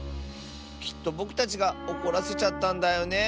きっとぼくたちがおこらせちゃったんだよね。